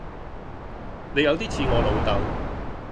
你有啲似我老豆